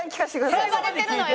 選ばれてるのよ。